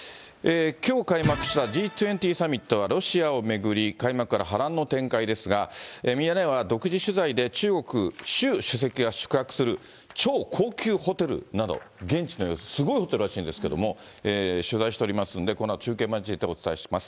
きょう開幕したＧ２０サミットは、ロシアを巡り、開幕から波乱の展開ですが、ミヤネ屋は独自取材で中国、習主席が宿泊する超高級ホテルなど、現地の様子、すごいホテルらしいんですけど、取材しておりますんで、